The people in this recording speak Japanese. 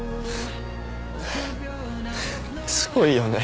すごいよね。